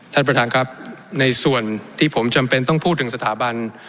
ท่านประธานครับในส่วนที่ผมจำเป็นต้องพูดถึงสถาบัน